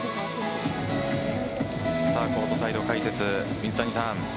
コートサイド解説、水谷さん。